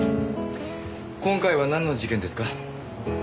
今回はなんの事件ですか？